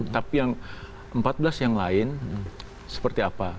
tapi yang empat belas yang lain seperti apa